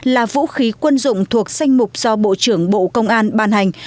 là vũ khí quân dụng thuộc danh mục do bộ trưởng bộ công an ban hành